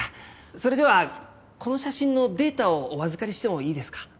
それではこの写真のデータをお預かりしてもいいですか？